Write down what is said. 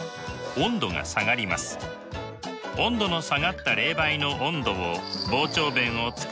温度の下がった冷媒の温度を膨張弁を使って更に下げます。